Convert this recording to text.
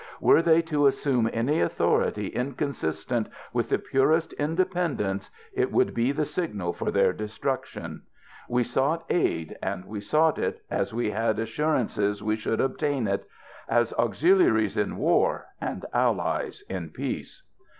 Were they to as sume any authority inconsistent with the purest independence, it would be the signal for their destruction ; we sought aid, and we sought it, as we had assurances we should obtain it ; as auxiliaries in war ŌĆö and allies in peace.